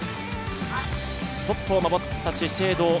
トップを守った資生堂。